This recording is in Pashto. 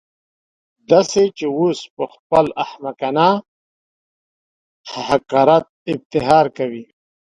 داسې چې اوس پهخپل احمقانه حقارت افتخار کوي.